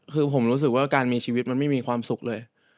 คือผมรู้สึกว่าการมีชีวิตมันไม่มีความสุขเลย